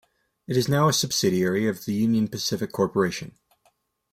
It is now a subsidiary of the Union Pacific Corporation.